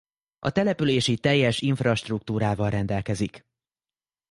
A település így teljes infrastruktúrával rendelkezik.